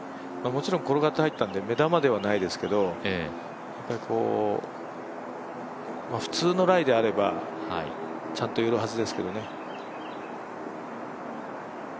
もちろん転がって入ったんで目玉ではないですけど普通のライであればちゃんと寄るはずですけどね。